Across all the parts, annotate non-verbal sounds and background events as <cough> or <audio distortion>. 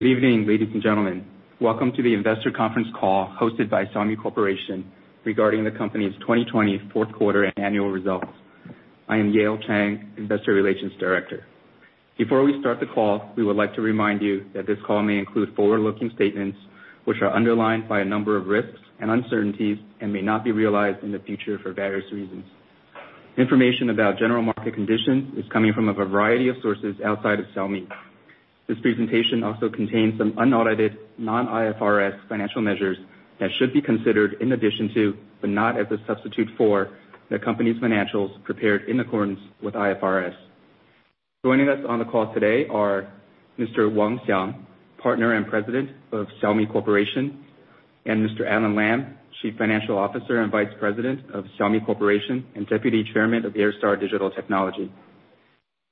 Good evening, ladies and gentlemen. Welcome to the investor conference call hosted by Xiaomi Corporation regarding the company's 2020 fourth quarter annual results. I am [Yale Chang], Investor Relations Director. Before we start the call, we would like to remind you that this call may include forward-looking statements which are underlined by a number of risks and uncertainties and may not be realized in the future for various reasons. Information about general market conditions is coming from a variety of sources outside of Xiaomi. This presentation also contains some unaudited non-IFRS financial measures that should be considered in addition to, but not as a substitute for, the company's financials prepared in accordance with IFRS. Joining us on the call today are Mr. Wang Xiang, Partner and President of Xiaomi Corporation, and Mr. Alain Lam, Chief Financial Officer and Vice President of Xiaomi Corporation, and Deputy Chairman of Airstar Digital Technology.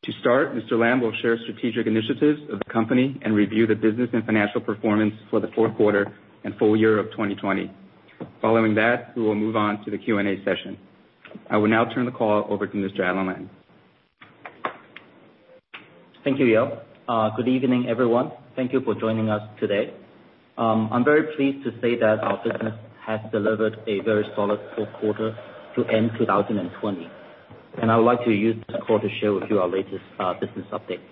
To start, Mr. Lam will share strategic initiatives of the company and review the business and financial performance for the fourth quarter and full year of 2020. Following that, we will move on to the Q&A session. I will now turn the call over to Mr. Alain Lam. Thank you, [Yale]. Good evening, everyone. Thank you for joining us today. I'm very pleased to say that our business has delivered a very solid fourth quarter to end 2020, and I would like to use this call to share with you our latest business updates.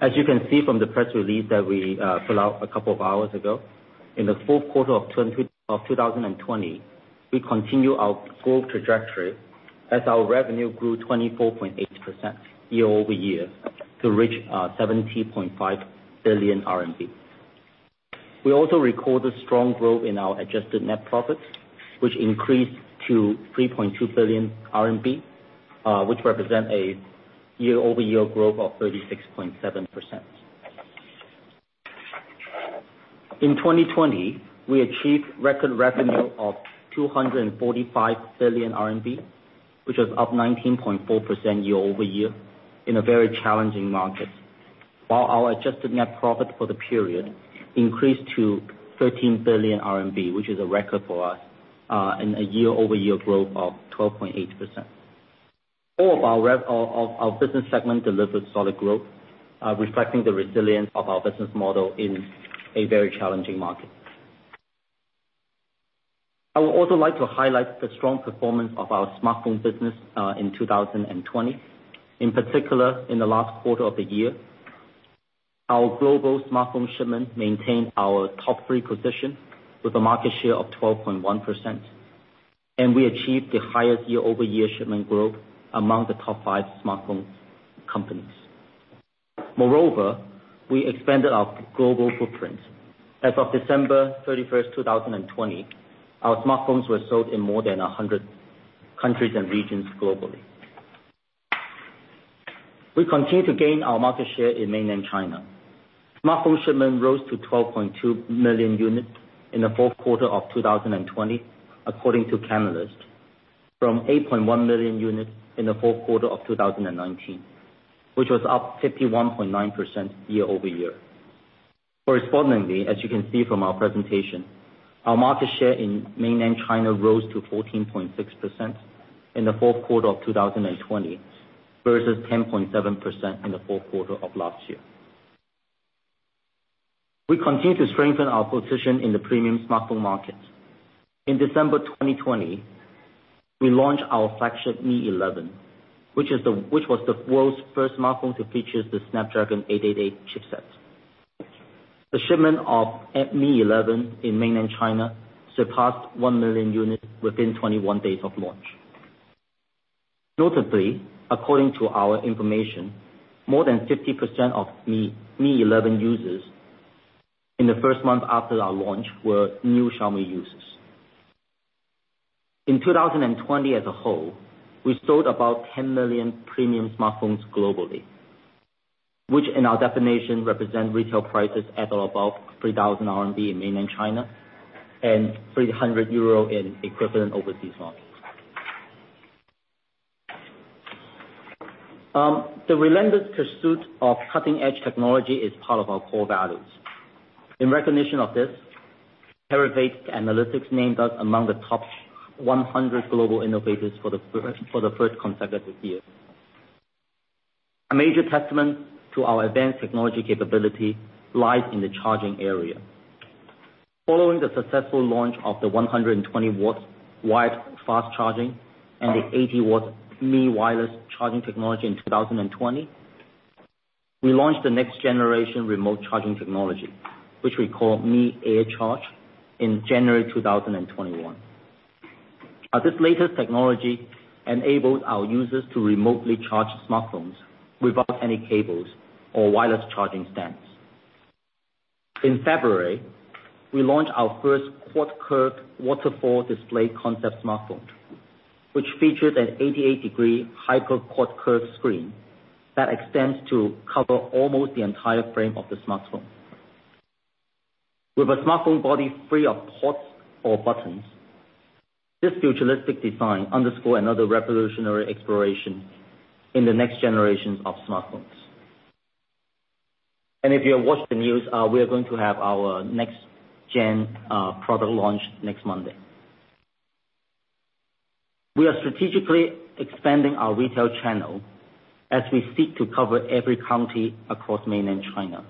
As you can see from the press release that we put out a couple of hours ago, in the fourth quarter of 2020, we continue our growth trajectory as our revenue grew 24.8% year-over-year to reach 70.5 billion RMB. We also recorded strong growth in our adjusted net profits, which increased to 3.2 billion RMB, which represent a year-over-year growth of 36.7%. In 2020, we achieved record revenue of 245 billion RMB, which was up 19.4% year-over-year in a very challenging market. Our adjusted net profit for the period increased to 13 billion RMB, which is a record for us, and a year-over-year growth of 12.8%. All of our business segments delivered solid growth, reflecting the resilience of our business model in a very challenging market. I would also like to highlight the strong performance of our smartphone business in 2020, in particular, in the last quarter of the year. Our global smartphone shipments maintained our top three position with a market share of 12.1%, and we achieved the highest year-over-year shipment growth among the top five smartphone companies. Moreover, we expanded our global footprint. As of December 31st, 2020, our smartphones were sold in more than 100 countries and regions globally. We continue to gain our market share in mainland China. Smartphone shipment rose to 12.2 million units in the fourth quarter of 2020, according to Canalys, from 8.1 million units in the fourth quarter of 2019, which was up 51.9% year-over-year. Correspondingly, as you can see from our presentation, our market share in mainland China rose to 14.6% in the fourth quarter of 2020 versus 10.7% in the fourth quarter of last year. We continue to strengthen our position in the premium smartphone market. In December 2020, we launched our flagship Mi 11, which was the world's first smartphone to feature the Snapdragon 888 chipset. The shipment of Mi 11 in mainland China surpassed 1 million units within 21 days of launch. Notably, according to our information, more than 50% of Mi 11 users in the first month after our launch were new Xiaomi users. In 2020 as a whole, we sold about 10 million premium smartphones globally, which in our definition represent retail prices at or above 3,000 RMB in mainland China and 300 euro in equivalent overseas markets. The relentless pursuit of cutting-edge technology is part of our core values. In recognition of this, Clarivate Analytics named us among the top 100 global innovators for the first consecutive year. A major testament to our advanced technology capability lies in the charging area. Following the successful launch of the 120 W wired fast charging and the 80 W Mi wireless charging technology in 2020, we launched the next generation remote charging technology, which we call Mi Air Charge, in January 2021. This latest technology enabled our users to remotely charge smartphones without any cables or wireless charging stands. In February, we launched our first quad-curve waterfall display concept smartphone, which featured an 88-degree hyper quad-curve screen that extends to cover almost the entire frame of the smartphone. With a smartphone body free of ports or buttons, this futuristic design underscores another revolutionary exploration in the next generation of smartphones. If you have watched the news, we are going to have our next gen product launch next Monday. We are strategically expanding our retail channel as we seek to cover every county across mainland China,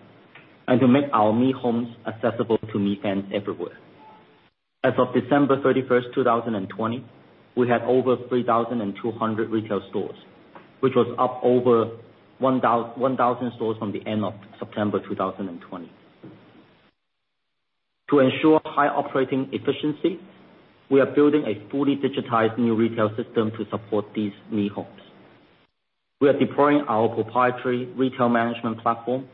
and to make our Mi Home accessible to Mi fans everywhere. As of December 31st, 2020, we had over 3,200 retail stores, which was up over 1,000 stores from the end of September 2020. To ensure high operating efficiency, we are building a fully digitized new retail system to support these Mi Homes. We are deploying our proprietary retail management platform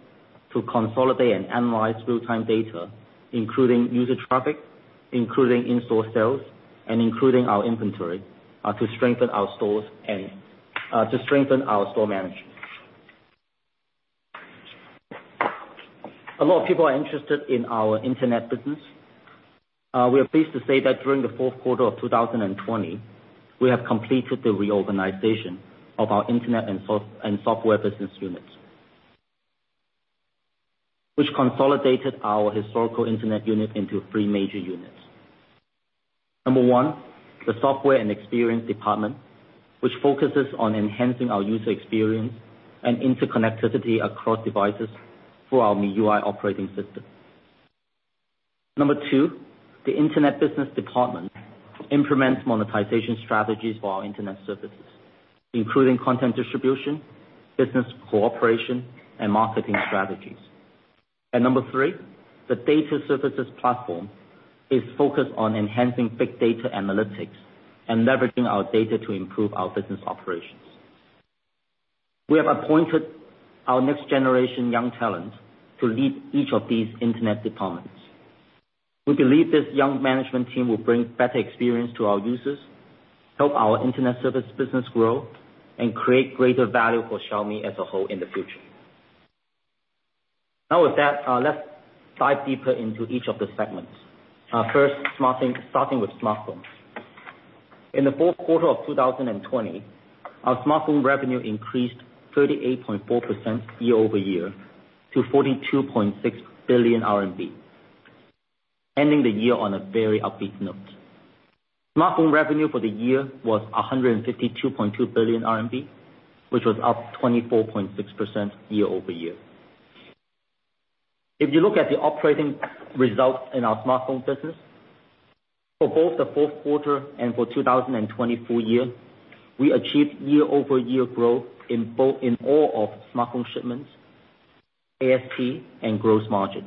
to consolidate and analyze real-time data, including user traffic, including in-store sales, and including our inventory, to strengthen our store management. A lot of people are interested in our internet business. We are pleased to say that during the fourth quarter of 2020, we have completed the reorganization of our internet and software business units, which consolidated our historical internet unit into three major units. Number one, the Software and Experience department, which focuses on enhancing our user experience and interconnectivity across devices for our MIUI operating system. Number two, the Internet Business department implements monetization strategies for our internet services, including content distribution, business cooperation, and marketing strategies. Number three, the Data Services Platform is focused on enhancing big data analytics and leveraging our data to improve our business operations. We have appointed our next generation young talent to lead each of these internet departments. We believe this young management team will bring better experience to our users, help our internet service business grow, and create greater value for Xiaomi as a whole in the future. With that, let's dive deeper into each of the segments. First, starting with smartphones. In the fourth quarter of 2020, our smartphone revenue increased 38.4% year-over-year to 42.6 billion RMB, ending the year on a very upbeat note. Smartphone revenue for the year was 152.2 billion RMB, which was up 24.6% year-over-year. If you look at the operating results in our smartphone business, for both the fourth quarter and for 2020 full year, we achieved year-over-year growth in all of smartphone shipments, ASP, and gross margin.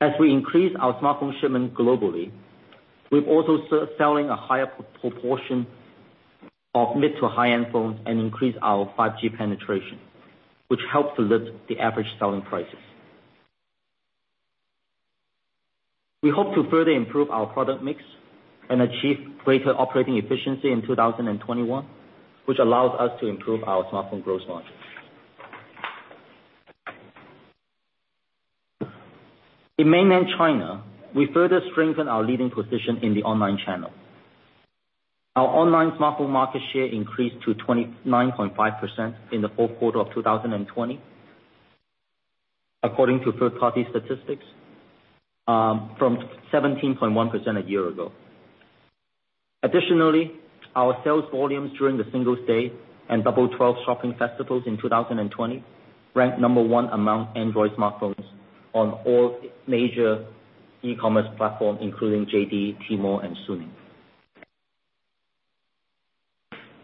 As we increase our smartphone shipment globally, we're also selling a higher proportion of mid to high-end phones and increase our 5G penetration, which helps to lift the average selling prices. We hope to further improve our product mix and achieve greater operating efficiency in 2021, which allows us to improve our smartphone gross margins. In mainland China, we further strengthen our leading position in the online channel. Our online smartphone market share increased to 29.5% in the fourth quarter of 2020, according to third-party statistics, from 17.1% a year ago. Additionally, our sales volumes during the Singles' Day and Double 12 shopping festivals in 2020, ranked number one among Android smartphones on all major e-commerce platforms, including JD.com, Tmall, and Suning.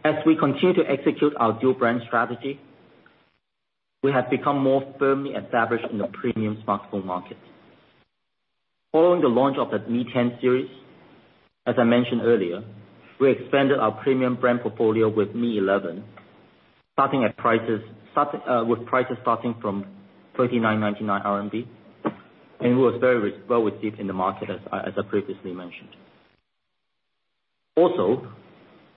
As we continue to execute our dual brand strategy, we have become more firmly established in the premium smartphone market. Following the launch of the Mi 10 series, as I mentioned earlier, we expanded our premium brand portfolio with Mi 11, with prices starting from 3,999 RMB, it was very well received in the market, as I previously mentioned.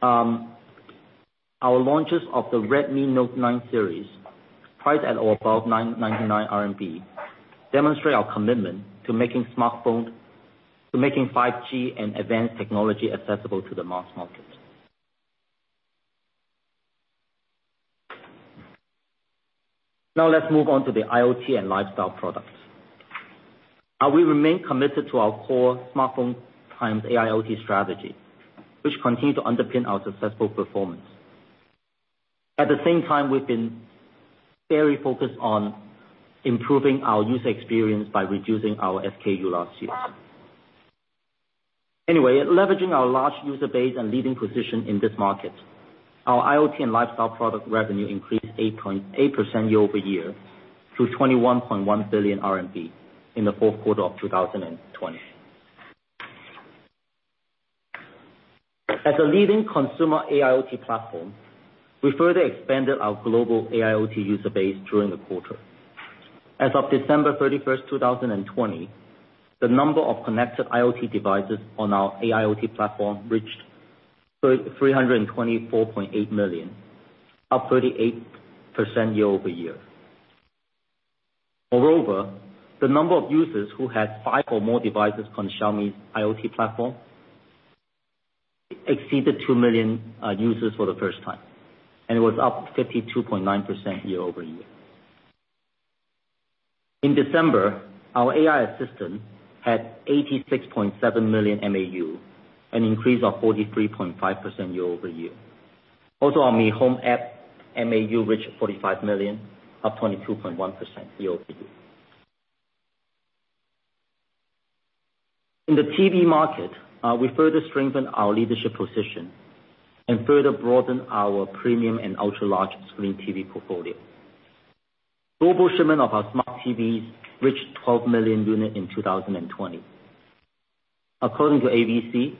Our launches of the Redmi Note 9 series, priced at or above 999 RMB, demonstrate our commitment to making 5G and advanced technology accessible to the mass market. Let's move on to the IoT and lifestyle products. We remain committed to our core smartphone x AIoT strategy, which continue to underpin our successful performance. At the same time, we've been very focused on improving our user experience by reducing our SKU last year. Leveraging our large user base and leading position in this market, our IoT and lifestyle product revenue increased 8% year-over-year to 21.1 billion RMB in the fourth quarter of 2020. As a leading consumer AIoT platform, we further expanded our global AIoT user base during the quarter. As of December 31st 2020, the number of connected IoT devices on our AIoT platform reached 324.8 million, up 38% year-over-year. Moreover, the number of users who had five or more devices on Xiaomi's IoT platform exceeded two million users for the first time, and it was up 52.9% year-over-year. In December, our AI assistant had 86.7 million MAU, an increase of 43.5% year-over-year. Also, our Mi Home app MAU reached 45 million, up 22.1% year-over-year. In the TV market, we further strengthened our leadership position and further broadened our premium and ultra-large screen TV portfolio. Global shipment of our smart TVs reached 12 million units in 2020. According to AVC,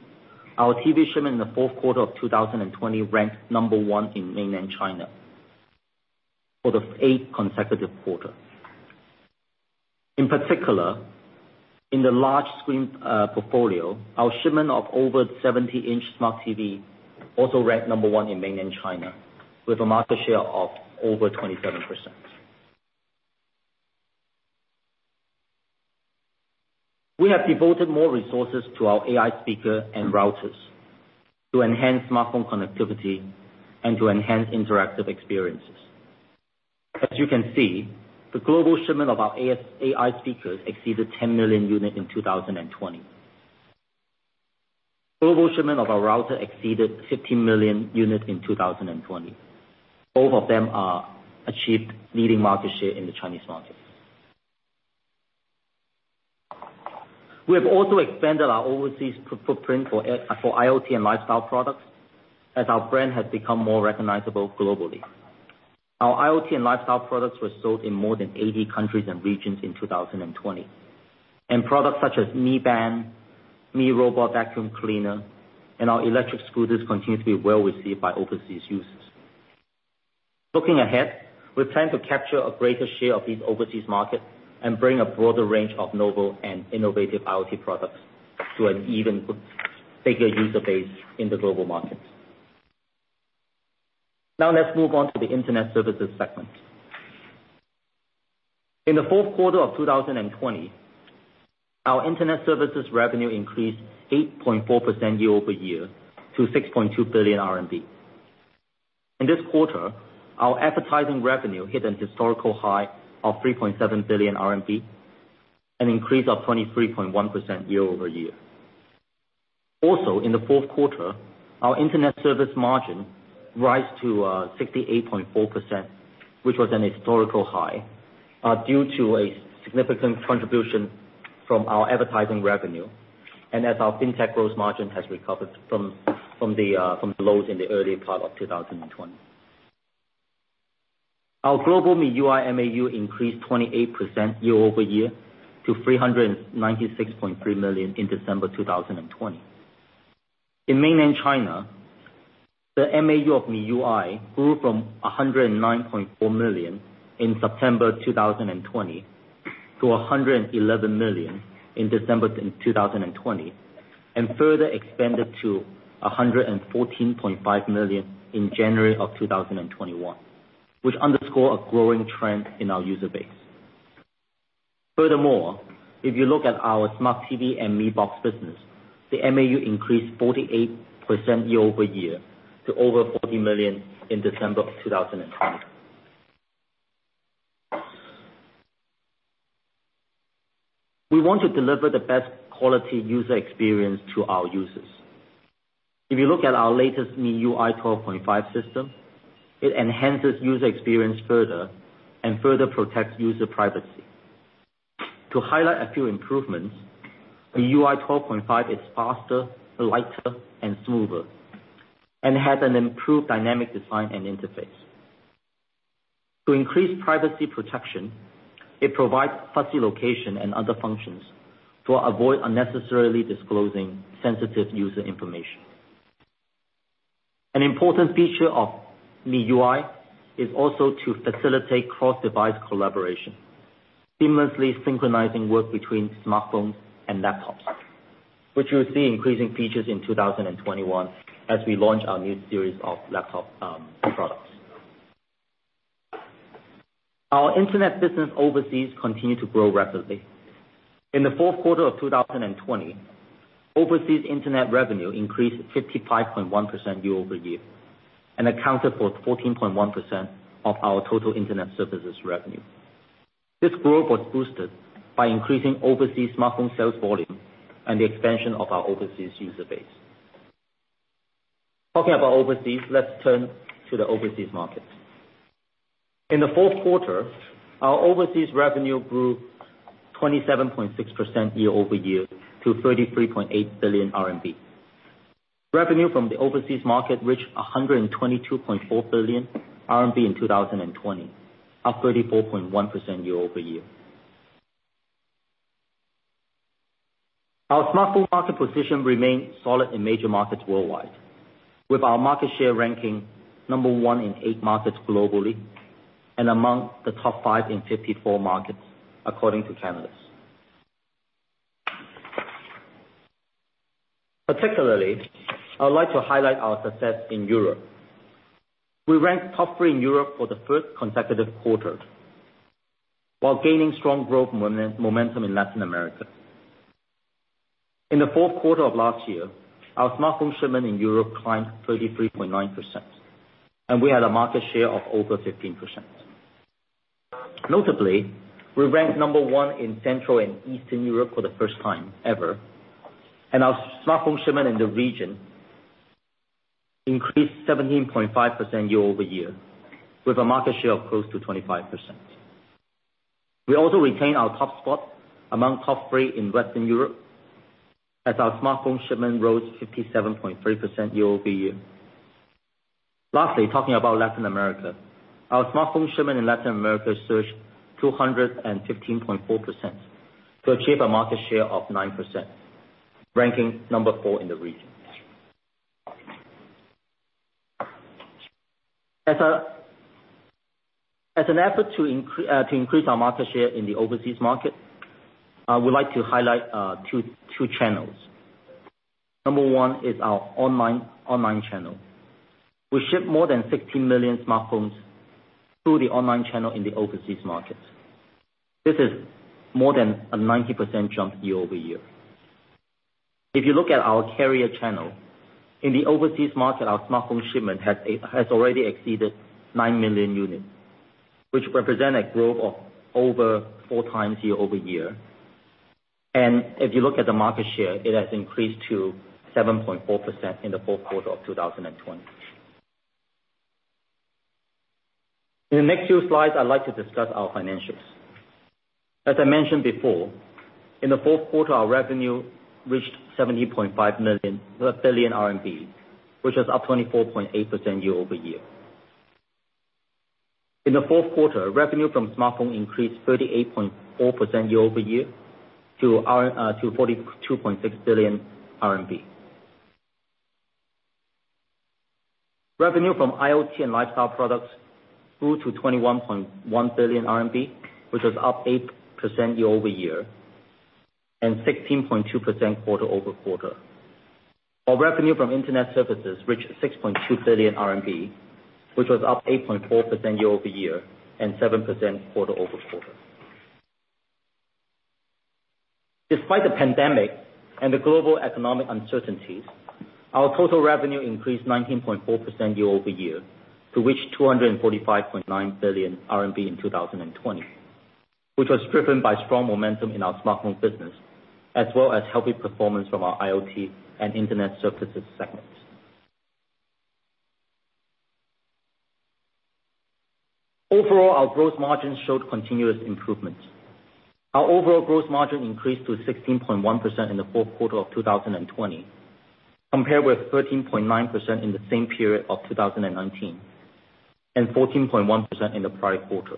our TV shipment in the fourth quarter of 2020 ranked number one in mainland China for the eighth consecutive quarter. In particular, in the large screen portfolio, our shipment of over 70 in smart TV also ranked number one in mainland China with a market share of over 27%. We have devoted more resources to our AI speaker and routers to enhance smartphone connectivity and to enhance interactive experiences. As you can see, the global shipment of our AI speakers exceeded 10 million units in 2020. Global shipment of our router exceeded 50 million units in 2020. Both of them are achieved leading market share in the Chinese market. We have also expanded our overseas footprint for IoT and lifestyle products as our brand has become more recognizable globally. Our IoT and lifestyle products were sold in more than 80 countries and regions in 2020, and products such as Mi Band, Mi Robot Vacuum cleaner, and our electric scooters continue to be well received by overseas users. Looking ahead, we plan to capture a greater share of these overseas markets and bring a broader range of novel and innovative IoT products to an even bigger user base in the global markets. Now let's move on to the internet services segment. In the fourth quarter of 2020, our internet services revenue increased 8.4% year-over-year to 6.2 billion RMB. In this quarter, our advertising revenue hit an historical high of 3.7 billion RMB, an increase of 23.1% year-over-year. Also, in the fourth quarter, our internet service margin rise to 68.4%, which was an historical high due to a significant contribution from our advertising revenue, and as our fintech gross margin has recovered from the lows in the early part of 2020. Our global MIUI MAU increased 28% year-over-year to 396.3 million in December 2020. In mainland China, the MAU of MIUI grew from 109.4 million in September 2020 to 111 million in December 2020, and further expanded to 114.5 million in January of 2021, which underscore a growing trend in our user base. Furthermore, if you look at our smart TV and Mi Box business, the MAU increased 48% year-over-year to over 40 million in December of 2020. We want to deliver the best quality user experience to our users. If you look at our latest MIUI 12.5 system, it enhances user experience further and further protects user privacy. To highlight a few improvements, the MIUI 12.5 is faster, lighter, and smoother and has an improved dynamic design and interface. To increase privacy protection, it provides fuzzy location and other functions to avoid unnecessarily disclosing sensitive user information. An important feature of MIUI is also to facilitate cross-device collaboration, seamlessly synchronizing work between smartphones and laptops, which you'll see increasing features in 2021 as we launch our new series of laptop products. Our internet business overseas continue to grow rapidly. In the fourth quarter of 2020, overseas internet revenue increased 55.1% year-over-year and accounted for 14.1% of our total internet services revenue. This growth was boosted by increasing overseas smartphone sales volume and the expansion of our overseas user base. Talking about overseas, let's turn to the overseas markets. In the fourth quarter, our overseas revenue grew 27.6% year-over-year to 33.8 billion RMB. Revenue from the overseas market reached 122.4 billion RMB in 2020, up 34.1% year-over-year. Our smartphone market position remains solid in major markets worldwide. With our market share ranking number one in eight markets globally and among the top five in 54 markets, according to Canalys. Particularly, I would like to highlight our success in Europe. We ranked top three in Europe for the first consecutive quarter while gaining strong growth momentum in Latin America. In the fourth quarter of last year, our smartphone shipment in Europe climbed 33.9%, and we had a market share of over 15%. Notably, we ranked number one in Central and Eastern Europe for the first time ever. Our smartphone shipment in the region increased 17.5% year-over-year with a market share of close to 25%. We also retained our top spot among top three in Western Europe as our smartphone shipment rose 57.3% year-over-year. Lastly, talking about Latin America. Our smartphone shipment in Latin America surged 215.4% to achieve a market share of 9%, ranking number four in the region. As an effort to increase our market share in the overseas market, I would like to highlight two channels. Number one is our online channel. We ship more than 16 million smartphones through the online channel in the overseas markets. This is more than a 90% jump year-over-year. If you look at our carrier channel, in the overseas market, our smartphone shipment has already exceeded 9 million units, which represent a growth of over four times year-over-year. If you look at the market share, it has increased to 7.4% in the fourth quarter of 2020. In the next few slides, I'd like to discuss our financials. As I mentioned before, in the fourth quarter, our revenue reached 70.5 billion RMB, which was up 24.8% year-over-year. In the fourth quarter, revenue from smartphone increased 38.4% year-over-year to RMB 42.6 billion. Revenue from IoT and lifestyle products grew to 21.1 billion RMB, which was up 8% year-over-year, and 16.2% quarter-over-quarter. Our revenue from internet services reached 6.2 billion RMB, which was up 8.4% year-over-year and 7% quarter-over-quarter. Despite the pandemic and the global economic uncertainties, our total revenue increased 19.4% year-over-year to reach 245.9 billion RMB in 2020, which was driven by strong momentum in our smartphone business, as well as healthy performance from our IoT and internet services segments. Overall, our gross margin showed continuous improvement. Our overall gross margin increased to 16.1% in the fourth quarter of 2020, compared with 13.9% in the same period of 2019, and 14.1% in the prior quarter.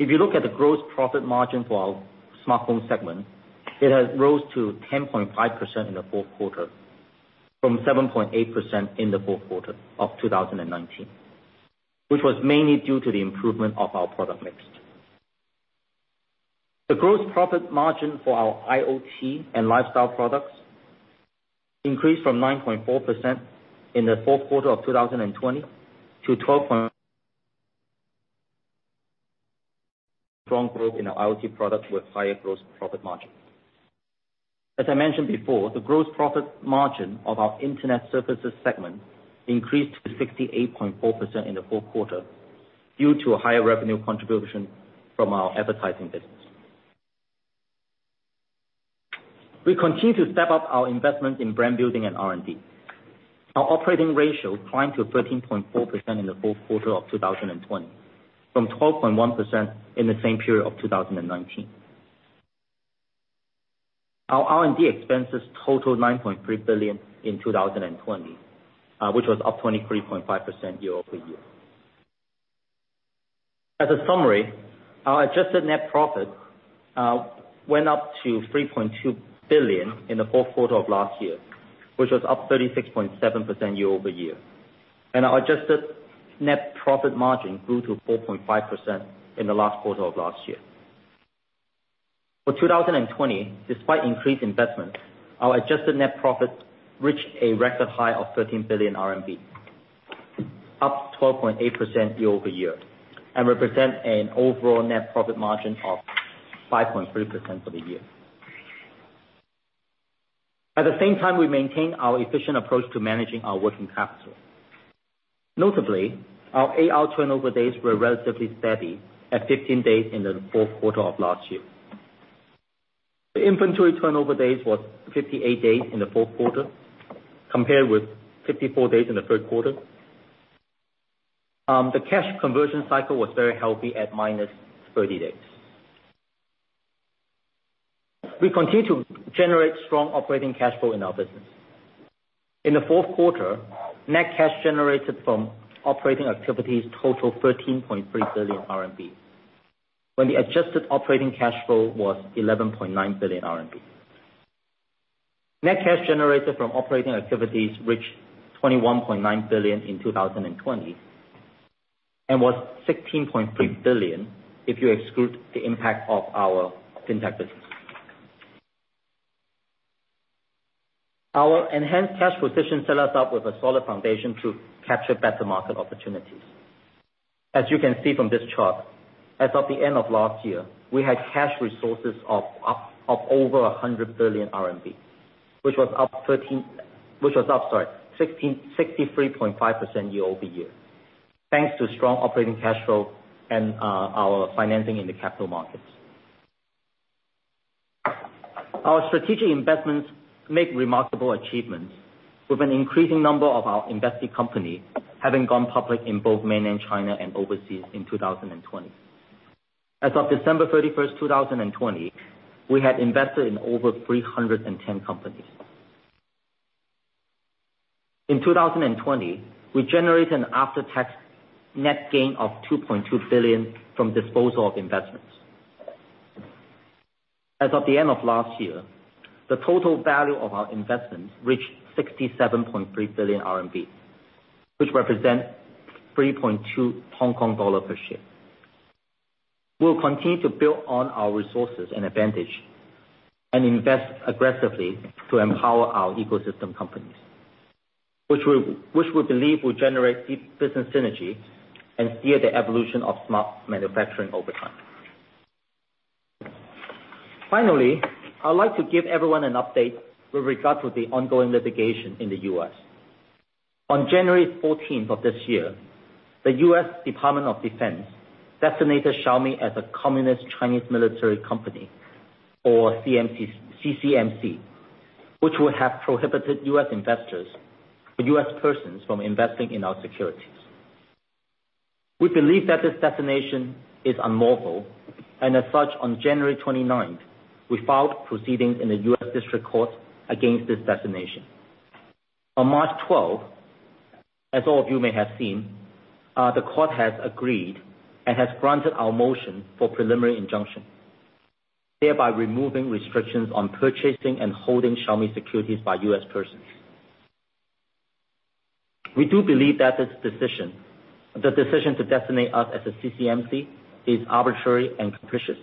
If you look at the gross profit margin for our smartphone segment, it has rose to 10.5% in the fourth quarter from 7.8% in the fourth quarter of 2019, which was mainly due to the improvement of our product mix. The gross profit margin for our IoT and lifestyle products increased from 9.4% in the fourth quarter of 2020 to 12% <audio distortion> strong growth in our IoT product with higher gross profit margin. As I mentioned before, the gross profit margin of our internet services segment increased to 68.4% in the fourth quarter due to a higher revenue contribution from our advertising business. We continue to step up our investment in brand building and R&D. Our operating ratio climbed to 13.4% in the fourth quarter of 2020 from 12.1% in the same period of 2019. Our R&D expenses totaled 9.3 billion in 2020, which was up 23.5% year-over-year. As a summary, our adjusted net profit went up to 3.2 billion in the fourth quarter of last year, which was up 36.7% year-over-year. Our adjusted net profit margin grew to 4.5% in the last quarter of last year. For 2020, despite increased investments, our adjusted net profit reached a record high of 13 billion RMB, up 12.8% year-over-year, and represent an overall net profit margin of 5.3% for the year. At the same time, we maintained our efficient approach to managing our working capital. Notably, our AR turnover days were relatively steady at 15 days in the fourth quarter of last year. The inventory turnover days was 58 days in the fourth quarter, compared with 54 days in the third quarter. The cash conversion cycle was very healthy at -30 days. We continue to generate strong operating cash flow in our business. In the fourth quarter, net cash generated from operating activities totaled 13.3 billion RMB. When the adjusted operating cash flow was 11.9 billion RMB. Net cash generated from operating activities reached 21.9 billion in 2020, and was 16.3 billion if you exclude the impact of our fintech business. Our enhanced cash position set us up with a solid foundation to capture better market opportunities. As you can see from this chart, as of the end of last year, we had cash resources of over 100 billion RMB, which was up 63.5% year-over-year. Thanks to strong operating cash flow and our financing in the capital markets. Our strategic investments make remarkable achievements with an increasing number of our invested company having gone public in both mainland China and overseas in 2020. As of December 31st, 2020, we had invested in over 310 companies. In 2020, we generated an after-tax net gain of 2.2 billion from disposal of investments. As of the end of last year, the total value of our investments reached 67.3 billion RMB, which represents 3.2 Hong Kong dollar per share. We'll continue to build on our resources and advantage, and invest aggressively to empower our ecosystem companies, which we believe will generate deep business synergy and steer the evolution of smart manufacturing over time. Finally, I'd like to give everyone an update with regard to the ongoing litigation in the U.S. On January 14th of this year, the U.S. Department of Defense designated Xiaomi as a communist Chinese military company or CCMC, which would have prohibited U.S. investors or U.S. persons from investing in our securities. We believe that this designation is unlawful, and as such, on January 29th, we filed proceedings in the U.S. District Court against this designation. On March 12, as all of you may have seen, the court has agreed and has granted our motion for preliminary injunction, thereby removing restrictions on purchasing and holding Xiaomi securities by U.S. persons. We do believe that the decision to designate us as a CCMC is arbitrary and capricious,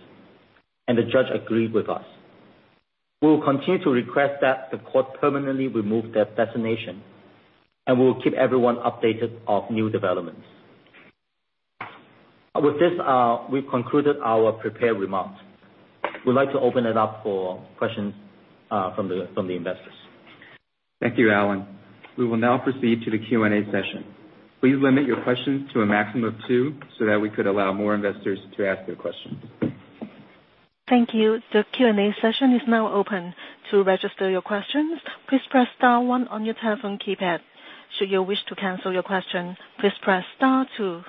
and the judge agreed with us. We will continue to request that the court permanently remove that designation, and we will keep everyone updated of new developments. With this, we've concluded our prepared remarks. We'd like to open it up for questions from the investors. Thank you, Alain. We will now proceed to the Q&A session. Please limit your questions to a maximum of two so that we could allow more investors to ask their questions. Thank you. The Q&A session is now open. To register your questions, please press star one on your telephone keypad. Should you wish to cancel your question, please press star two.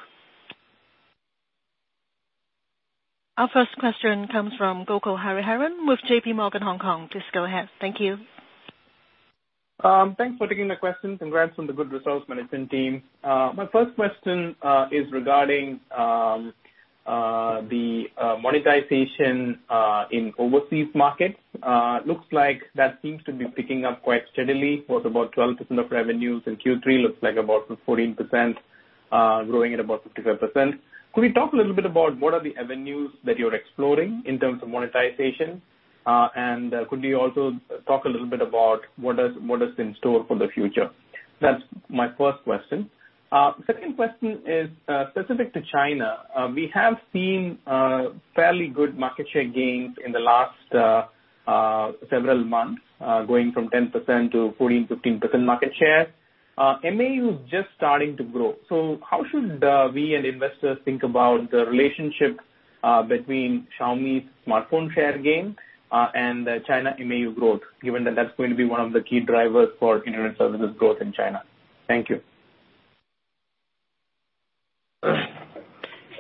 Our first question comes from Gokul Hariharan with JPMorgan Hong Kong. Please go ahead. Thank you. Thanks for taking the questions. Congrats on the good results management team. My first question is regarding the monetization in overseas markets. Looks like that seems to be picking up quite steadily. It was about 12% of revenues in Q3. Looks like about 14%, growing at about 55%. Could we talk a little bit about what are the avenues that you're exploring in terms of monetization? Could you also talk a little bit about what is in store for the future? That's my first question. Second question is specific to China. We have seen fairly good market share gains in the last several months, going from 10% to 14%-15% market share. MAU is just starting to grow. How should we and investors think about the relationship between Xiaomi's smartphone share gain, and China MAU growth, given that that's going to be one of the key drivers for internet services growth in China? Thank you.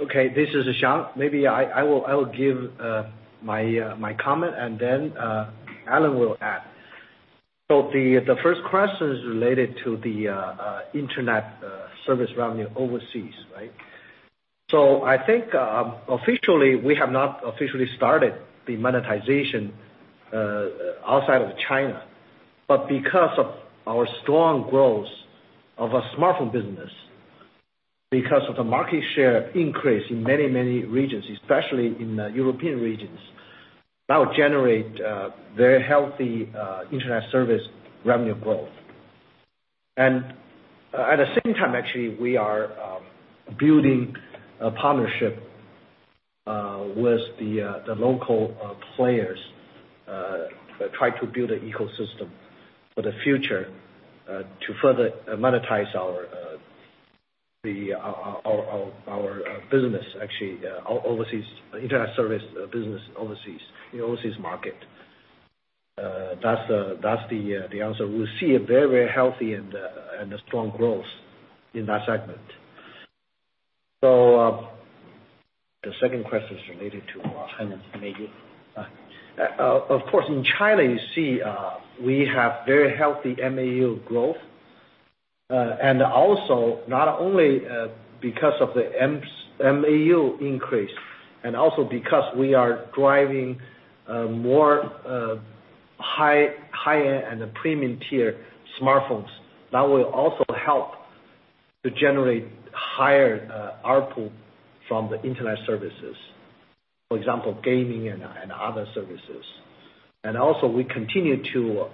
This is Xiang. Maybe I will give my comment, and then Alain will add. The first question is related to the internet service revenue overseas, right? I think officially, we have not officially started the monetization outside of China, but because of our strong growth of our smartphone business, because of the market share increase in many regions, especially in European regions, that would generate very healthy internet service revenue growth. At the same time, actually, we are building a partnership with the local players, try to build an ecosystem for the future, to further monetize our business, actually, our overseas internet service business overseas market. That's the answer. We see a very healthy and a strong growth in that segment. The second question is related to China MAU. Of course, in China, you see we have very healthy MAU growth. Also not only because of the MAU increase and also because we are driving more higher and premium tier smartphones. That will also help To generate higher ARPU from the internet services. For example, gaming and other services. Also, we continue to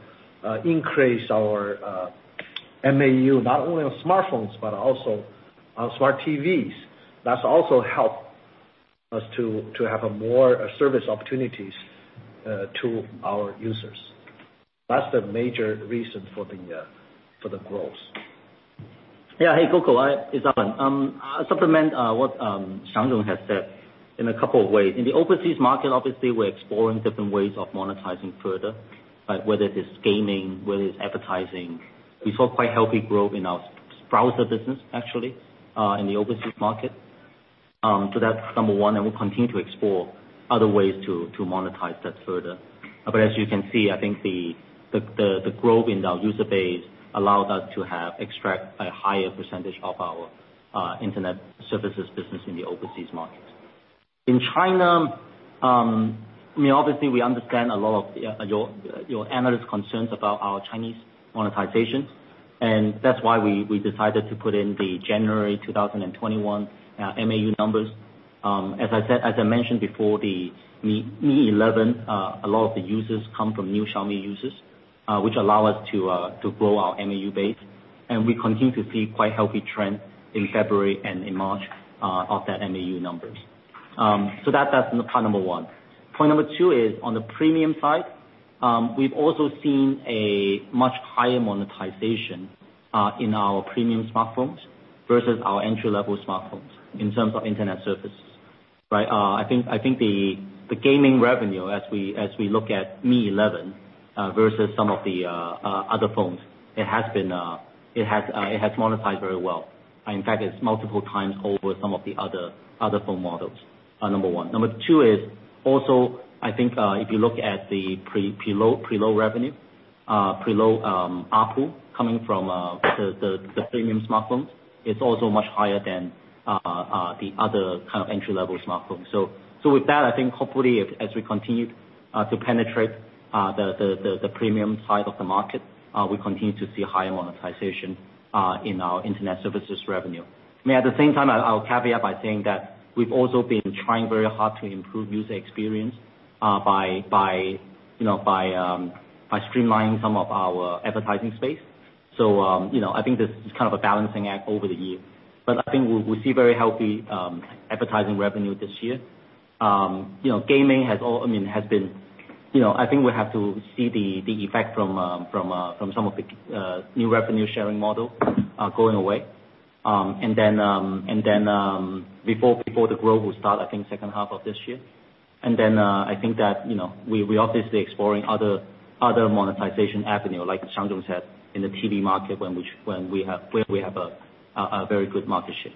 increase our MAU, not only on smartphones, but also on smart TVs. That's also helped us to have more service opportunities to our users. That's the major reason for the growth. Yeah. Hey, Gokul. It's Alain. I'll supplement what Xiang has said in a couple of ways. In the overseas market, obviously, we're exploring different ways of monetizing further, right? Whether it is gaming, whether it's advertising. We saw quite healthy growth in our browser business, actually, in the overseas market. That's number one, and we'll continue to explore other ways to monetize that further. As you can see, I think the growth in our user base allows us to extract a higher percentage of our internet services business in the overseas markets. In China, obviously, we understand a lot of your analyst concerns about our Chinese monetization. That's why we decided to put in the January 2021 MAU numbers. As I mentioned before, the Mi 11, a lot of the users come from new Xiaomi users, which allow us to grow our MAU base, and we continue to see quite healthy trends in February and in March of that MAU numbers. That's part number one. Point number two is on the premium side. We've also seen a much higher monetization in our premium smartphones versus our entry-level smartphones in terms of internet services. Right? I think the gaming revenue as we look at Mi 11 versus some of the other phones, it has monetized very well. In fact, it's multiple times over some of the other phone models. Number one. Number two is also, I think, if you look at the preloaded revenue, preloaded ARPU coming from the premium smartphone, it's also much higher than the other kind of entry-level smartphone. With that, I think hopefully as we continue to penetrate the premium side of the market, we continue to see higher monetization in our internet services revenue. At the same time, I'll caveat by saying that we've also been trying very hard to improve user experience by streamlining some of our advertising space. I think this is kind of a balancing act over the year. I think we'll see very healthy advertising revenue this year. Gaming has been I think we have to see the effect from some of the new revenue-sharing model going away. Before the growth will start, I think second half of this year. I think that we're obviously exploring other monetization avenue, like Xiang said, in the TV market, where we have a very good market share.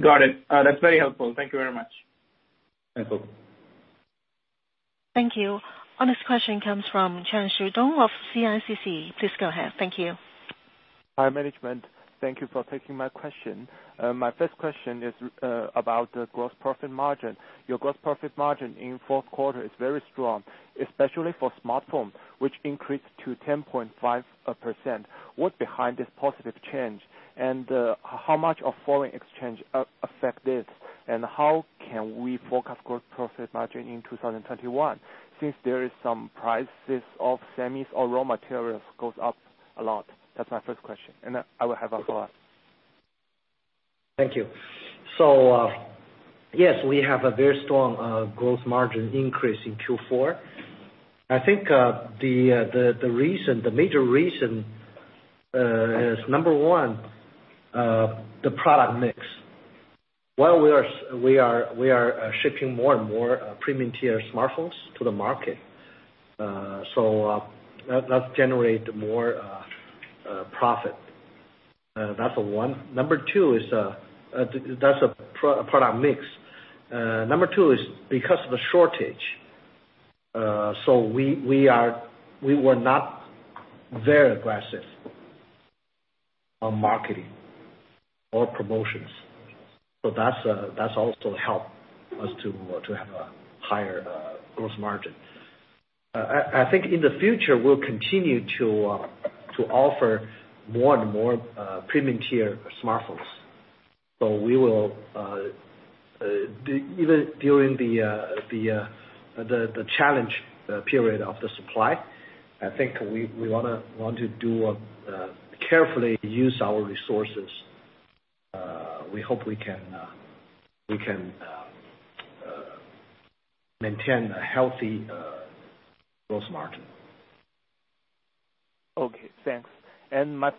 Got it. That's very helpful. Thank you very much. Thanks. Thank you. Our next question comes from Chen Xudong of CICC. Please go ahead. Thank you. Hi, management. Thank you for taking my question. My first question is about the gross profit margin. Your gross profit margin in fourth quarter is very strong, especially for smartphone, which increased to 10.5%. What's behind this positive change, and how much of foreign exchange affect this? How can we forecast gross profit margin in 2021 since there is some prices of semis or raw materials goes up a lot? That's my first question, and I will have a follow-up. Thank you. Yes, we have a very strong gross margin increase in Q4. I think the major reason is, number one, the product mix. We are shipping more and more premium tier smartphones to the market. That's generate more profit. That's one. That's product mix. Number two is because of the shortage. We were not very aggressive on marketing or promotions. That's also helped us to have a higher gross margin. I think in the future, we'll continue to offer more and more premium tier smartphones. Even during the challenge period of the supply, I think we want to carefully use our resources. We hope we can maintain a healthy gross margin. Okay, thanks. My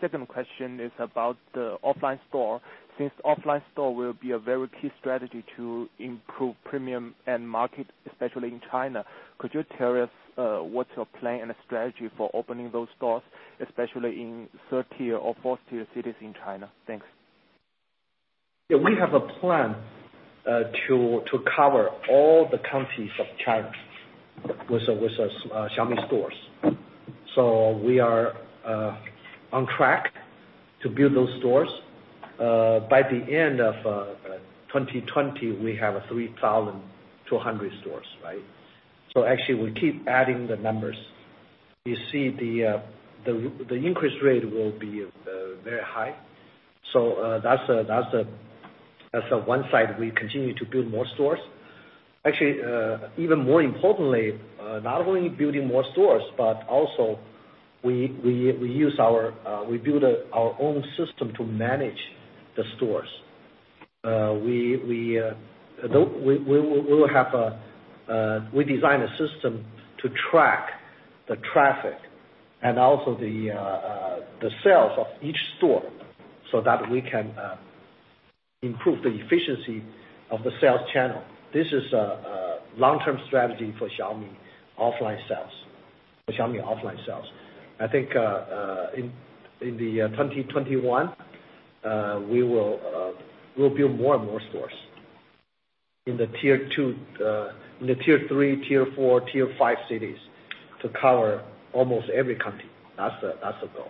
second question is about the offline store. Since offline store will be a very key strategy to improve premium and market, especially in China, could you tell us what's your plan and strategy for opening those stores, especially in third-tier or fourth-tier cities in China? Thanks. Yeah. We have a plan to cover all the counties of China with the Xiaomi stores. We are on track to build those stores. By the end of 2020, we have 3,200 stores, right? Actually, we keep adding the numbers. You see the increase rate will be very high. That's one side, we continue to build more stores. Actually, even more importantly, not only building more stores, but also we build our own system to manage the stores. We design a system to track the traffic and also the sales of each store so that we can improve the efficiency of the sales channel. This is a long-term strategy for Xiaomi offline sales. I think in the 2021, we will build more and more stores in the Tier 3, Tier 4, Tier 5 cities to cover almost every country. That's the goal.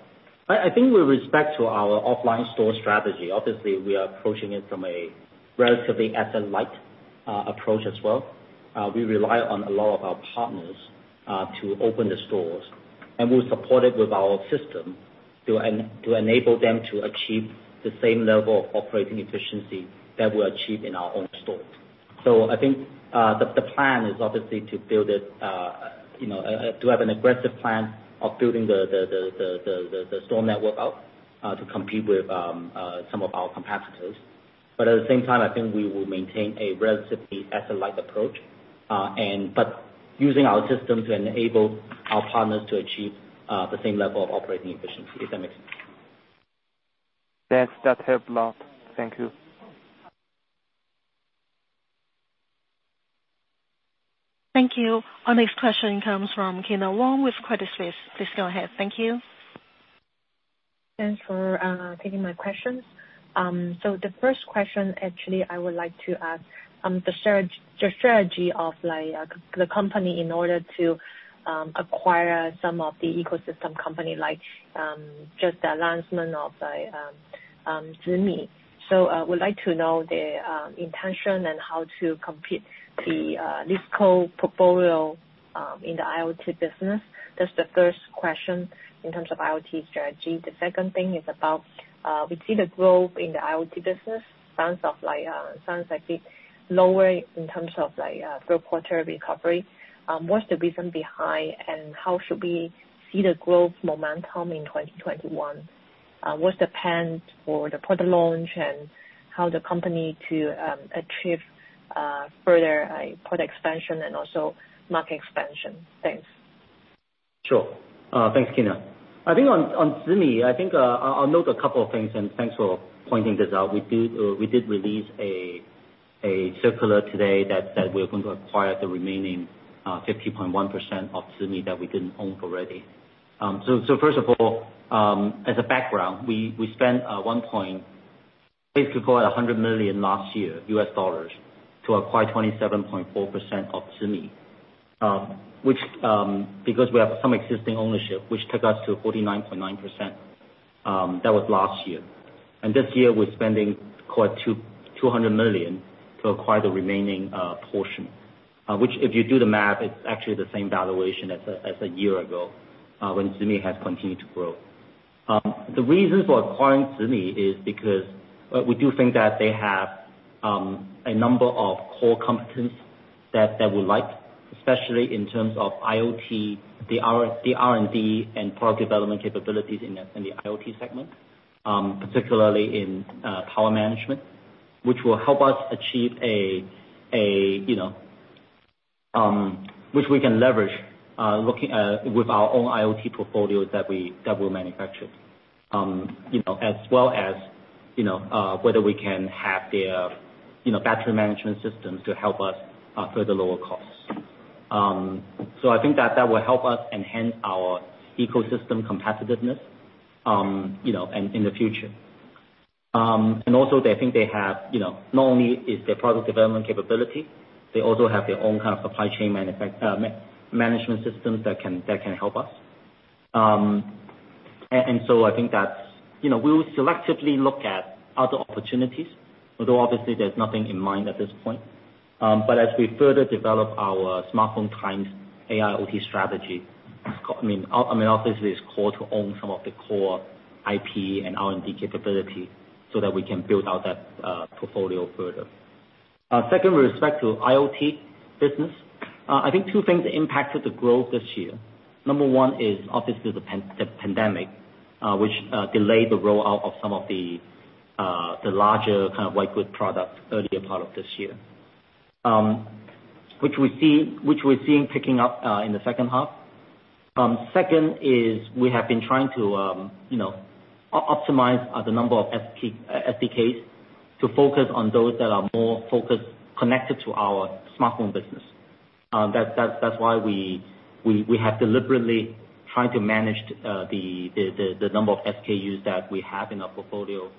I think with respect to our offline store strategy, obviously, we are approaching it from a relatively asset-light approach as well. We rely on a lot of our partners to open the stores, and we support it with our system to enable them to achieve the same level of operating efficiency that we achieve in our own stores. I think the plan is obviously to have an aggressive plan of building the store network out to compete with some of our competitors. At the same time, I think we will maintain a relatively asset-light approach, but using our system to enable our partners to achieve the same level of operating efficiency, if that makes sense. Yes, that helped a lot. Thank you. Thank you. Our next question comes from Kyna Wong with Credit Suisse. Please go ahead. Thank you. Thanks for taking my questions. The first question actually I would like to ask, the strategy of the company in order to acquire some of the ecosystem company, like just the announcement of the Zimi. I would like to know the intention and how to compete the [Lizco] portfolio in the IoT business. That's the first question in terms of IoT strategy. The second thing is about, we see the growth in the IoT business sounds like lower in terms of third quarter recovery. What's the reason behind and how should we see the growth momentum in 2021? What's the plan for the product launch and how the company to achieve further product expansion and also market expansion? Thanks. Sure. Thanks, Kyna. On Zimi, I'll note a couple of things. Thanks for pointing this out. We did release a circular today that we're going to acquire the remaining 50.1% of Zimi that we didn't own already. First of all, as a background, we spent basically $100 million last year to acquire 27.4% of Zimi. We have some existing ownership, which took us to 49.9%. That was last year. This year, we're spending $200 million to acquire the remaining portion, which if you do the math, it's actually the same valuation as a year ago, when Zimi has continued to grow. The reasons for acquiring Zimi is because we do think that they have a number of core competence that we like, especially in terms of IoT, the R&D and product development capabilities in the IoT segment, particularly in power management, which we can leverage with our own IoT portfolio that we'll manufacture. As well as whether we can have their battery management systems to help us further lower costs. I think that that will help us enhance our ecosystem competitiveness in the future. I think they have, not only is their product development capability, they also have their own kind of supply chain management systems that can help us. I think that we will selectively look at other opportunities, although obviously there's nothing in mind at this point. As we further develop our smartphone times AIoT strategy, I mean, obviously it's core to own some of the core IP and R&D capability so that we can build out that portfolio further. Second, with respect to IoT business, I think two things impacted the growth this year. Number one is obviously the pandemic, which delayed the rollout of some of the larger kind of white good products earlier part of this year, which we're seeing picking up in the second half. Second is we have been trying to optimize the number of STK to focus on those that are more focused, connected to our smartphone business. That's why we have deliberately tried to manage the number of SKUs that we have in our portfolio.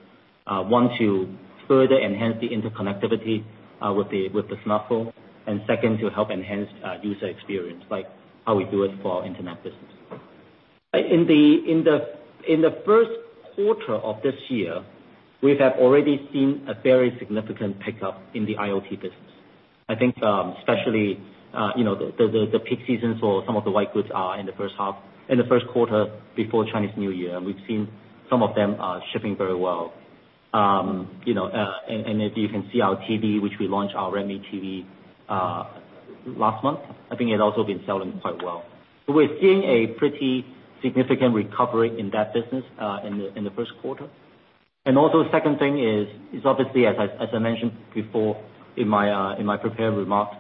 One, to further enhance the interconnectivity with the smartphone, and second, to help enhance user experience, like how we do it for our internet business. In the first quarter of this year, we have already seen a very significant pickup in the IoT business. I think, especially, the peak seasons for some of the white goods are in the first quarter before Chinese New Year, and we've seen some of them are shipping very well. If you can see our TV, which we launched our Redmi TV last month, I think it also been selling quite well. We're seeing a pretty significant recovery in that business in the first quarter. Also, second thing is, obviously, as I mentioned before in my prepared remarks,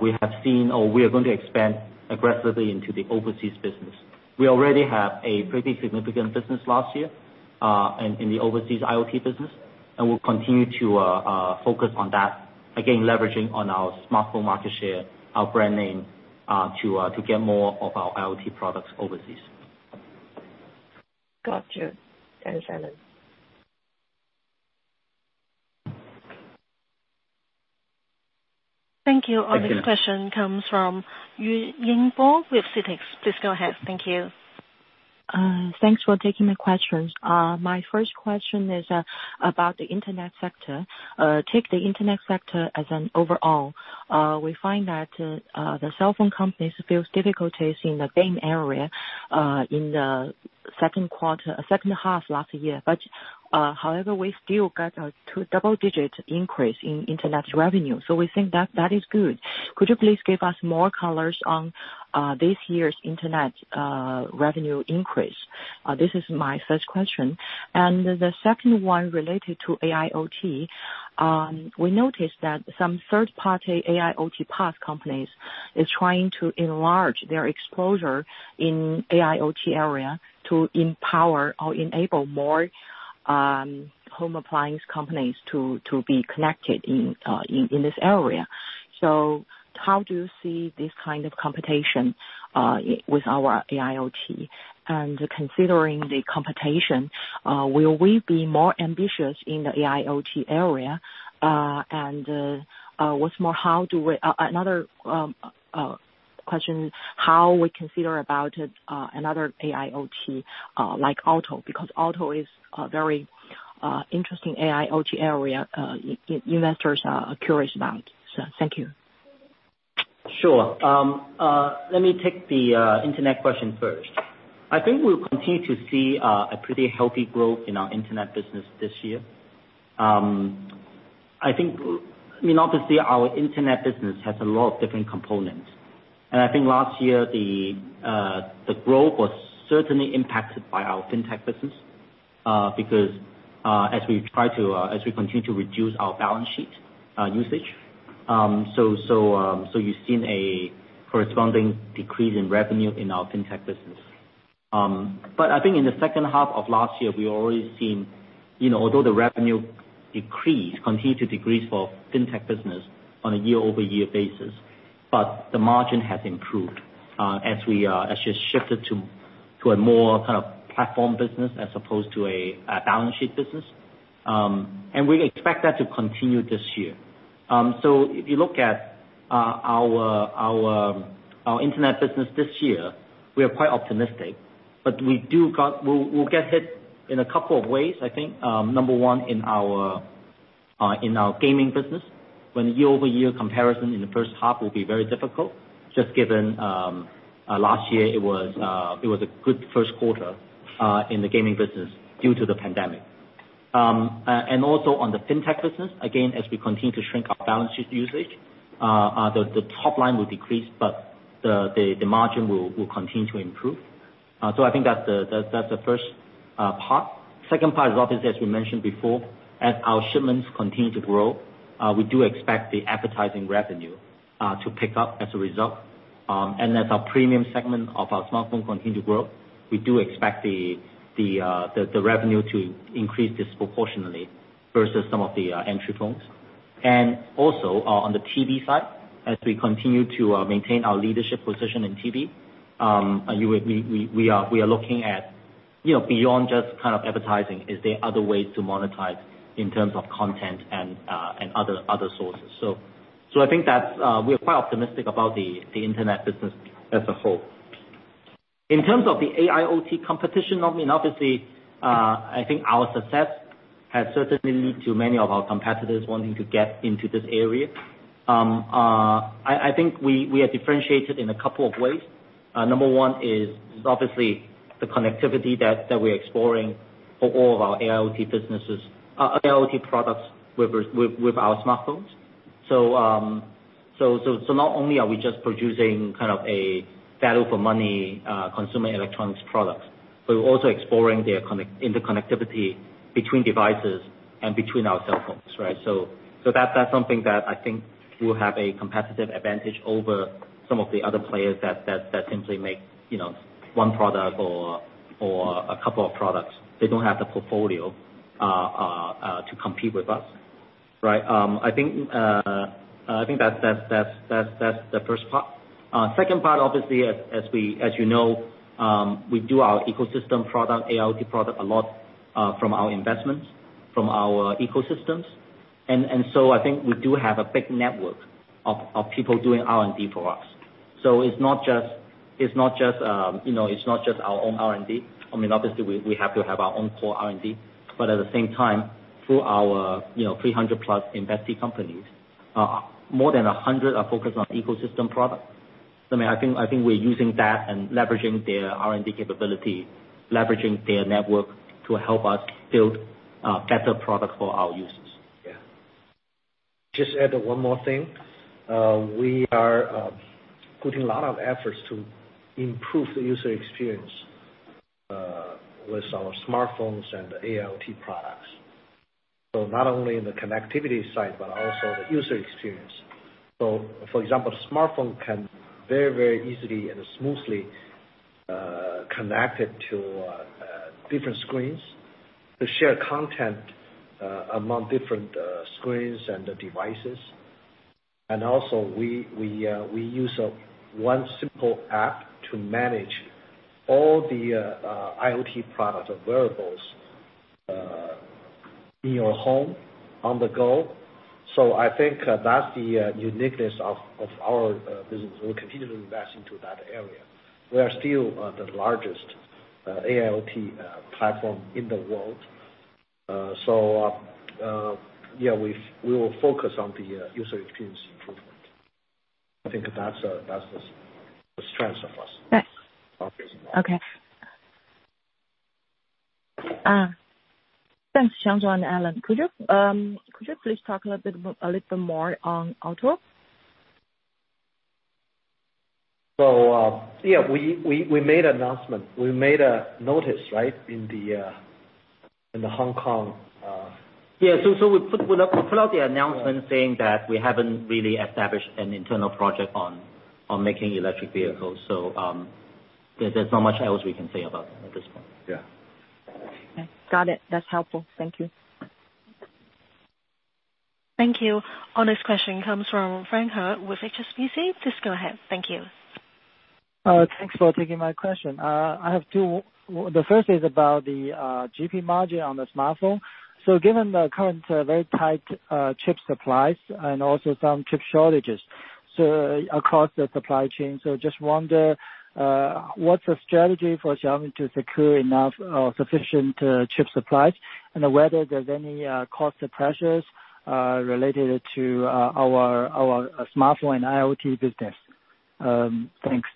we have seen or we are going to expand aggressively into the overseas business. We already have a pretty significant business last year in the overseas IoT business, and we'll continue to focus on that, again, leveraging on our smartphone market share, our brand name, to get more of our IoT products overseas. Got you. Thanks, Alain. Thank you. Our next question comes from Xu Yingbo with CITIC. Please go ahead. Thank you. Thanks for taking my questions. My first question is about the internet sector. Take the internet sector as an overall. We find that the smartphone companies face difficulties in the game area in the second half last year. However, we still got a double-digit increase in internet revenue. We think that is good. Could you please give us more color on this year's internet revenue increase? This is my first question. The second one is related to AIoT. We noticed that some third-party AIoT plat companies are trying to enlarge their exposure in AIoT area to empower or enable more home appliance companies to be connected in this area. How do you see this kind of competition with our AIoT? Considering the competition, will we be more ambitious in the AIoT area? Another question, how we consider about another AIoT like Auto, because Auto is a very interesting AIoT area investors are curious about. Thank you. Sure. Let me take the internet question first. I think we'll continue to see a pretty healthy growth in our internet business this year. Obviously, our internet business has a lot of different components, and I think last year the growth was certainly impacted by our fintech business, because as we continue to reduce our balance sheet usage, so you've seen a corresponding decrease in revenue in our fintech business. I think in the second half of last year, we already seen, although the revenue continue to decrease for fintech business on a year-over-year basis, but the margin has improved as it shifted to a more kind of platform business as opposed to a balance sheet business. We expect that to continue this year. If you look at our internet business this year, we are quite optimistic. We'll get hit in a couple of ways, I think. Number one, in our gaming business, when year-over-year comparison in the first half will be very difficult, just given last year it was a good first quarter in the gaming business due to the pandemic. Also on the fintech business, again, as we continue to shrink our balance sheet usage, the top line will decrease, but the margin will continue to improve. I think that's the first part. Second part is obviously, as we mentioned before, as our shipments continue to grow, we do expect the advertising revenue to pick up as a result. As our premium segment of our smartphone continue to grow, we do expect the revenue to increase disproportionately versus some of the entry phones. Also on the TV side, as we continue to maintain our leadership position in TV, we are looking at beyond just kind of advertising, is there other ways to monetize in terms of content and other sources. I think that we are quite optimistic about the internet business as a whole. In terms of the AIoT competition, obviously, I think our success has certainly led to many of our competitors wanting to get into this area. I think we are differentiated in a couple of ways. Number one is obviously the connectivity that we're exploring for all of our AIoT businesses, AIoT products with our smartphones. Not only are we just producing a value for money consumer electronics products, but we're also exploring the interconnectivity between devices and between our cell phones, right? That's something that I think we'll have a competitive advantage over some of the other players that simply make one product or a couple of products. They don't have the portfolio to compete with us. I think that's the first part. Second part, obviously, as you know, we do our ecosystem product, AIoT product a lot from our investments, from our ecosystems. I think we do have a big network of people doing R&D for us. It's not just our own R&D. Obviously, we have to have our own core R&D, but at the same time, through our 300+ investee companies, more than 100 are focused on ecosystem product. I think we're using that and leveraging their R&D capability, leveraging their network to help us build a better product for our users. Just add one more thing. We are putting a lot of efforts to improve the user experience with our smartphones and AIoT products. Not only in the connectivity side but also the user experience. For example, smartphone can very very easily and smoothly connect to different screens and share content among different screens and devices. Also we use one simple app to manage all the IoT products or wearables in your home, on the go. I think that's the uniqueness of our business. We'll continue to invest into that area. We are still the largest AIoT platform in the world. We will focus on the user experience improvement. I think that's the strength of us. Thanks. Okay. Thanks, Xiang Wang and Alain. Could you please talk a little bit more on Auto? Yeah, we made an announcement. We made a notice, right? In the Hong Kong. Yeah. We put out the announcement saying that we haven't really established an internal project on making electric vehicles. There's not much else we can say about that at this point. Yeah. Okay. Got it. That's helpful. Thank you. Thank you. Our next question comes from Fang He with HSBC. Please go ahead. Thank you. Thanks for taking my question. I have two. The first is about the GP margin on the smartphone. Given the current very tight chip supplies and also some chip shortages across the supply chain, so just wonder what's the strategy for Xiaomi to secure enough or sufficient chip supplies and whether there's any cost pressures related to our smartphone and IoT business. Thanks.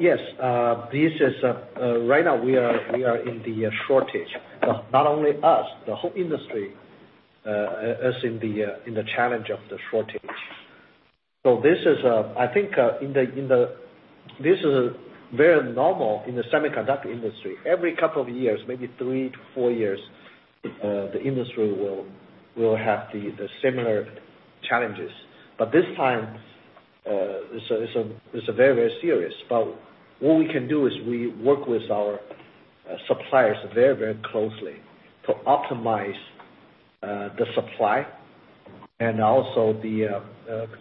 Yes. Right now we are in the shortage. Not only us, the whole industry is in the challenge of the shortage. I think this is very normal in the semiconductor industry. Every couple of years, maybe three to four years, the industry will have the similar challenges. This time, it's very serious. What we can do is we work with our suppliers very closely to optimize the supply and also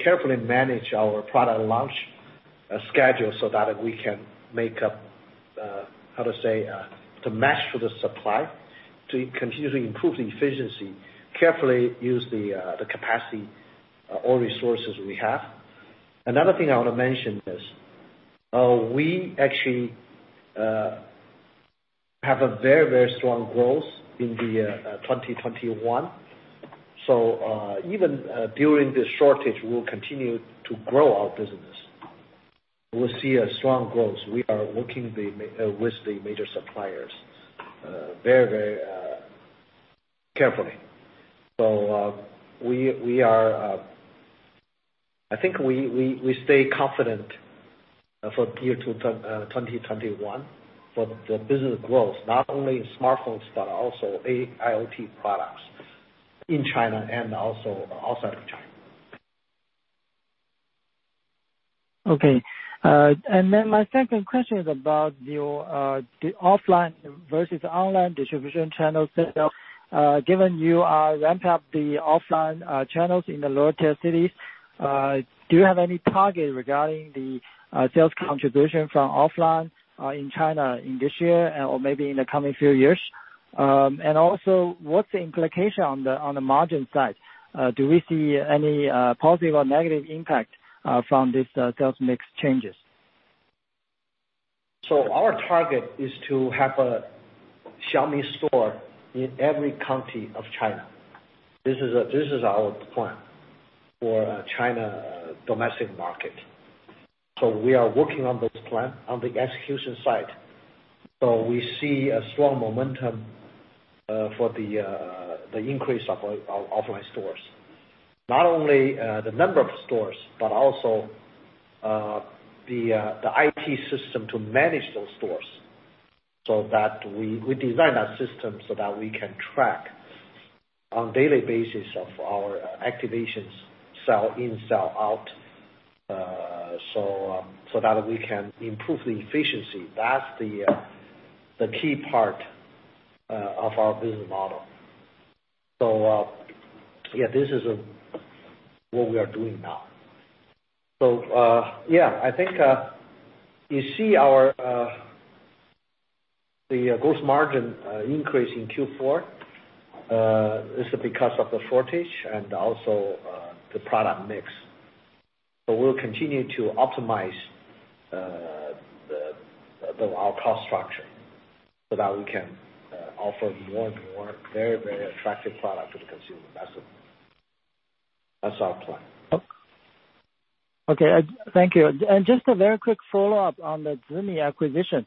carefully manage our product launch schedule so that we can make up, how to say, to match the supply, to continue to improve the efficiency, carefully use the capacity or resources we have. Another thing I want to mention is, we actually have a very strong growth in 2021. Even during this shortage, we'll continue to grow our business. We'll see a strong growth. We are working with the major suppliers very carefully. I think we stay confident for Q2 2021 for the business growth, not only in smartphones but also AIoT products in China and also outside of China. Okay. My second question is about the offline versus online distribution channel sales. Given you ramped up the offline channels in the lower tier cities, do you have any target regarding the sales contribution from offline in China in this year or maybe in the coming few years? What's the implication on the margin side? Do we see any positive or negative impact from this sales mix changes? Our target is to have a Xiaomi store in every county of China. This is our plan for China domestic market. We are working on this plan on the execution side. We see a strong momentum for the increase of our offline stores. Not only the number of stores, but also the IT system to manage those stores. We design our system so that we can track on daily basis of our activations, sell in, sell out, so that we can improve the efficiency. That's the key part of our business model. Yeah, this is what we are doing now. I think you see the gross margin increase in Q4. This is because of the shortage and also the product mix. We'll continue to optimize our cost structure so that we can offer more and more very attractive products for the consumer. That's our plan. Okay. Thank you. Just a very quick follow-up on the Zimi acquisition.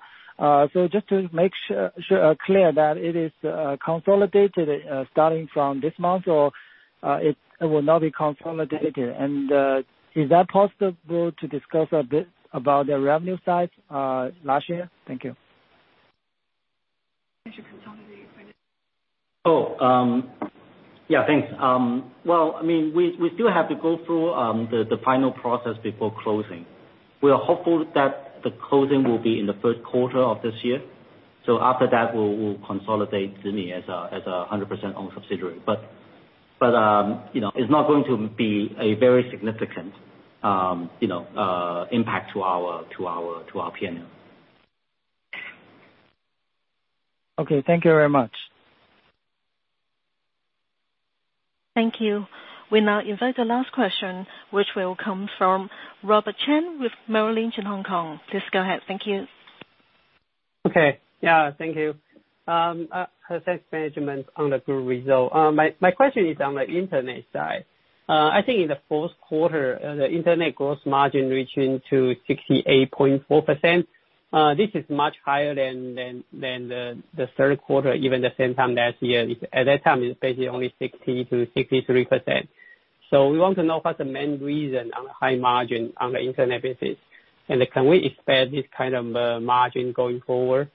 Just to make clear that it is consolidated starting from this month or it will not be consolidated. Is that possible to discuss a bit about the revenue side last year? Thank you. It should consolidate by next. Thanks. Well, we still have to go through the final process before closing. We are hopeful that the closing will be in the first quarter of this year. After that, we'll consolidate Zimi as a 100% owned subsidiary. It's not going to be a very significant impact to our P&L. Okay. Thank you very much. Thank you. We now invite the last question, which will come from Robert Cheng with Merrill Lynch in Hong Kong. Please go ahead. Thank you. Okay. Yeah, thank you. Thanks management on the good result. My question is on the internet side. I think in the fourth quarter, the internet gross margin reaching to 68.4%. This is much higher than the third quarter, even the same time last year. At that time, it's basically only 60%-63%. We want to know what the main reason on high margin on the internet business is. Can we expect this kind of margin going forward?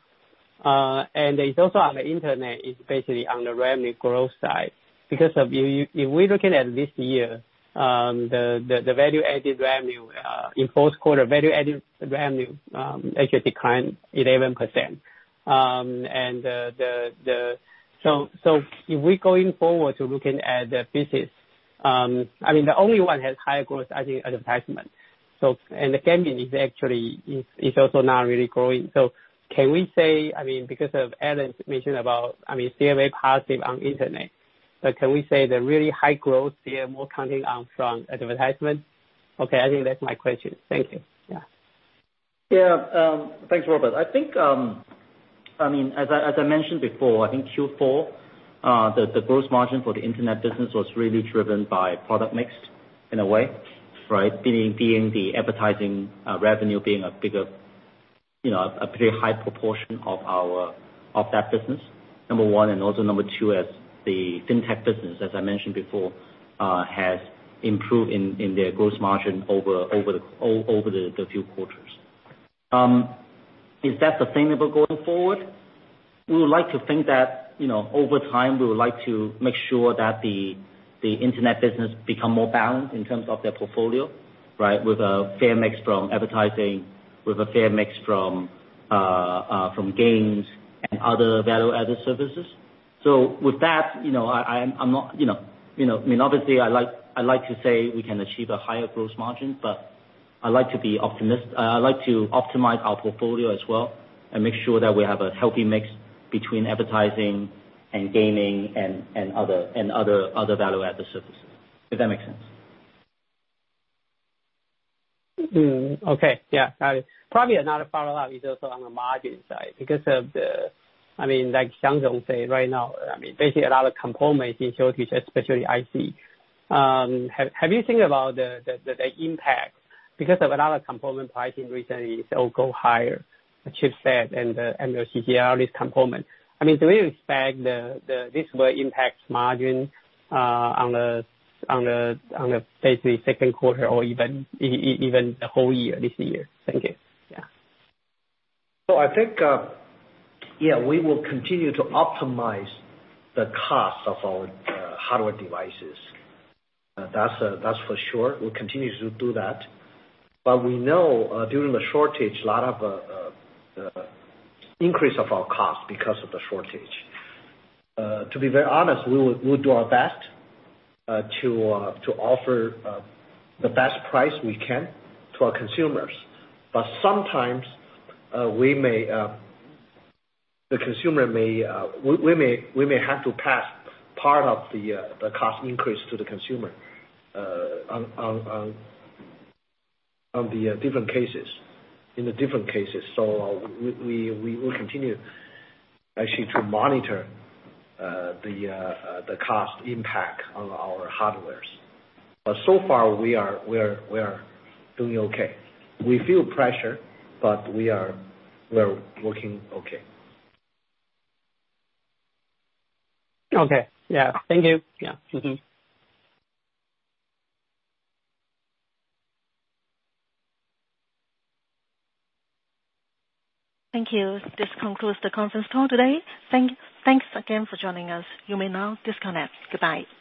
It's also on the internet, it's basically on the revenue growth side. Because if we're looking at this year, the value-added revenue in the fourth quarter actually declined 11%. If we're going forward to looking at the business, the only one has higher growth I think is advertisement. The gaming is also not really growing. Can we say, because Alain mentioned about CMA positive on internet, but can we say the really high growth there more coming on from advertisement? Okay. I think that's my question. Thank you. Yeah. Thanks, Robert. As I mentioned before, I think Q4 the gross margin for the internet business was really driven by product mix in a way, right? Being the advertising revenue being a pretty high proportion of that business, number one, and also number two, as the fintech business, as I mentioned before, has improved in their gross margin over the few quarters. Is that sustainable going forward? We would like to think that over time, we would like to make sure that the internet business become more balanced in terms of their portfolio, right? With a fair mix from advertising, with a fair mix from gains and other value-added services. With that, obviously I'd like to say we can achieve a higher gross margin, but I like to optimize our portfolio as well and make sure that we have a healthy mix between advertising and gaming and other value-added services. If that makes sense. Yeah, got it. Probably another follow-up is also on the margin side because of the, like Xiang said right now, basically a lot of components in shortage, especially IC. Have you think about the impact because of a lot of component pricing recently go higher, a chipset and your CCR, this component? Do we expect this will impact margin on the basically second quarter or even the whole year, this year? Thank you. Yeah. I think, we will continue to optimize the cost of our hardware devices. That's for sure. We'll continue to do that. We know during the shortage, a lot of increase of our cost because of the shortage. To be very honest, we'll do our best to offer the best price we can to our consumers. Sometimes we may have to pass part of the cost increase to the consumer in the different cases. We will continue actually to monitor the cost impact on our hardwares. So far we are doing okay. We feel pressure, but we are working okay. Okay. Yeah. Thank you. Yeah. Mm-hmm. Thank you. This concludes the conference call today. Thanks again for joining us. You may now disconnect. Goodbye.